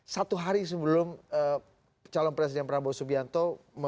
satu hari sebelum calon presiden prabowo subianto